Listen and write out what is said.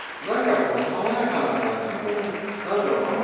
何かこう爽やかな感じの何だろう